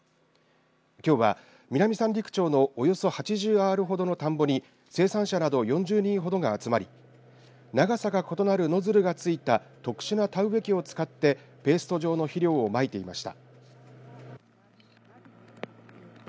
きょうは南三陸町のおよそ８０アールほどの田んぼに生産者など４０人ほどが集まり長さが異なるノズルが付いた特殊な田植え機を使ってペースト状の肥料をまいていました。